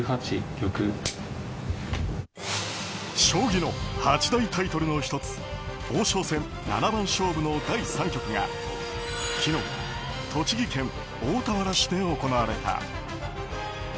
将棋の八大タイトルの１つ王将戦七番勝負の第３局が昨日、栃木県大田原市で行われた。